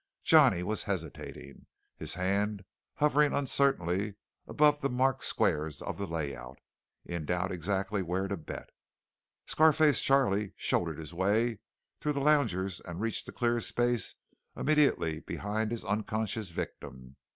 Johnny was hesitating, his hand hovering uncertainly above the marked squares of the layout, in doubt exactly where to bet. Scar face Charley shouldered his way through the loungers and reached the clear space immediately behind his unconscious victim.